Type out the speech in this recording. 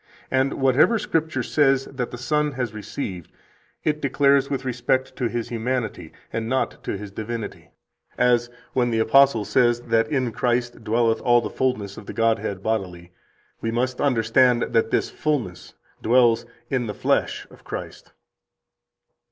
And whatever Scripture says that the Son has received, it declares with respect to His humanity, and not to His divinity; as, when the apostle says that in Christ dwelleth all the fullness of the Godhead bodily, we must understand that this fullness dwells in the flesh of Christ.